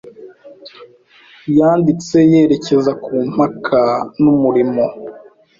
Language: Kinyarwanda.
yanditse yerekeza ku mpaka numurimo